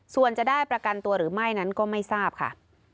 ส่วนจะได้ประกันตัวหรือไม่นั้นก็ไม่ทราบค่ะ